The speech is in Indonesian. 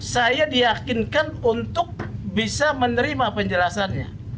saya diyakinkan untuk bisa menerima penjelasannya